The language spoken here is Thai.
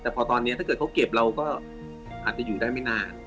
แต่พอตอนนี้ถ้าเกิดเขาเก็บเราก็อาจจะอยู่ได้ไม่นาน